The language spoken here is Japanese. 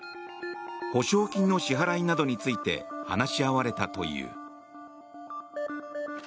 補償金の支払いなどについて話し合われたという。